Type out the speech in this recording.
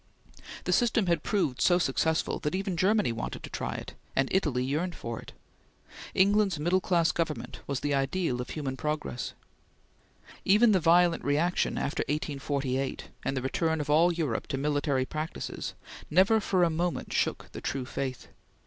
The system had proved so successful that even Germany wanted to try it, and Italy yearned for it. England's middle class government was the ideal of human progress. Even the violent reaction after 1848, and the return of all Europe to military practices, never for a moment shook the true faith.